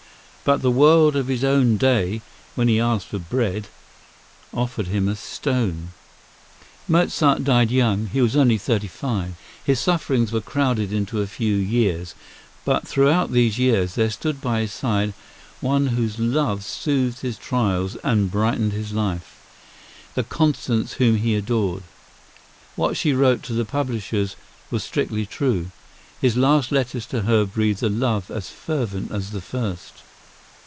But the world of his own day, when he asked for bread, offered him a stone. Mozart died young; he was only thirty five. His sufferings were crowded into a few years, but throughout these years there stood by his side one whose love soothed his trials and brightened his life,—the Constance whom he adored. What she wrote to the publishers was strictly true. His last letters to her breathed a love as fervent as the first.